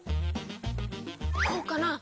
こうかな？